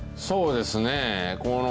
そうですね。